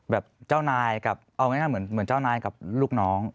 เจ้านายกับเอาง่ายเหมือนเจ้านายกับลูกน้อง